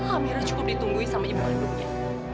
amirah cukup ditunggui sama ibu ibunya